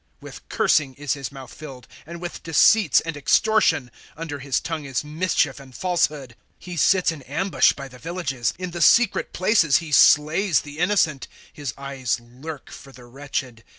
^ With cursing is his mouth filled, and with deceits and extortion ; Under his tongue is mischief and falsehood. ^ He sits in ambush by the villages ; In the secret places he slays the innocent; His eyes lurk for the wretched.